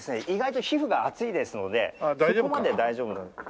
意外と皮膚が厚いですのでそこまで大丈夫。